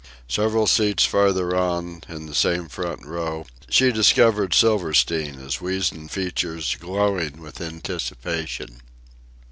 Several seats farther on, in the same front row, she discovered Silverstein, his weazen features glowing with anticipation.